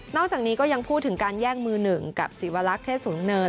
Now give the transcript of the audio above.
จากนี้ก็ยังพูดถึงการแย่งมือหนึ่งกับศิวลักษณ์เทศสูงเนิน